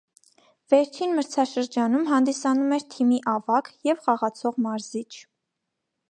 Վերջին մրցաշրջանում հանդիսանում էր թիմի ավագ և խաղացող մարզիչ։